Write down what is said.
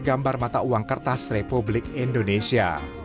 gambar mata uang kertas republik indonesia